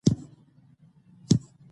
خلک د ښو خبرو قدر کوي